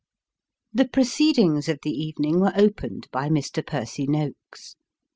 The proceedings of the evening were opened by Mr. Percy Noakes.